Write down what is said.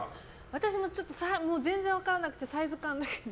私も、全然分からなくてサイズ感だけで。